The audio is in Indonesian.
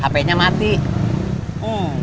gue straight iya status di sana aja